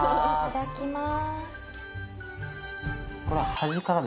いただきます。